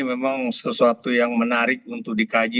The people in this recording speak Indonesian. memang sesuatu yang menarik untuk dikaji